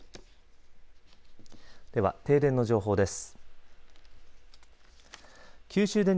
では、停電の情報です。